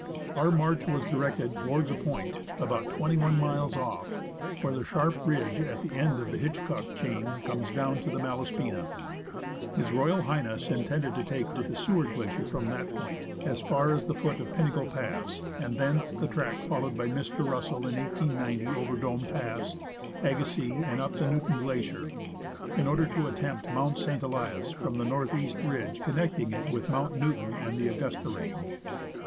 Our march was directed towards a point, about 21 miles off, where the sharp ridge at the end of the Hitchcock chain comes down to the Malaspina. H.R. H. intended to take to the Seward Glacier from that point, as far as the foot of Pinnacle Pass, and thence the track followed by THE ASCENT OF MOUNT ST. ELIAS Mr. Russell in 1890 over Dome Pass, Agassiz, and up Newton Glacier, in order to attempt Mount St. Elias from the north east ridcre connecting it with Mount Newton and the Aup:usta ranee.